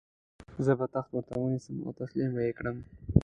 زه به تخت ورته ونیسم او تسلیم به یې کړم.